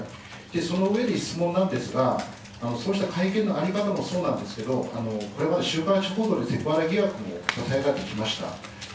その上で質問なんですが、そうした会見の在り方もそうなんですけど、これまで週刊誌報道でセクハラ疑惑もささやかれてきました。